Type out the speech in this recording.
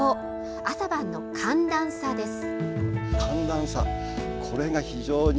朝晩の寒暖差です。